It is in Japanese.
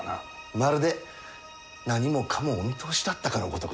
まるで何もかもお見通しだったかのごとくですなあ。